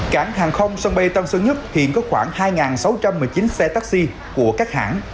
cảng hàng không sân bay tân sơn nhất hiện có khoảng hai sáu trăm một mươi chín xe taxi của các hãng